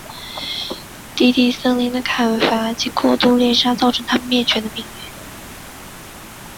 低地森林的砍伐及过度猎杀造成它们灭绝的命运。